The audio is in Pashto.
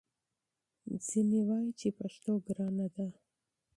ځینې وايي چې پښتو ګرانه ده